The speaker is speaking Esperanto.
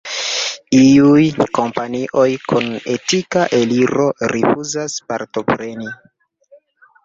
Iuj kompanioj kun etika aliro rifuzas partopreni.